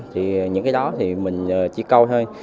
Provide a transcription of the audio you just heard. thì những cái đó thì mình chỉ câu thôi